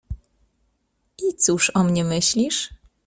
"I cóż o mnie myślisz?"